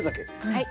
はい。